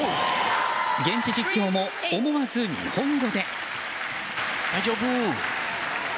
現地実況も思わず日本語で。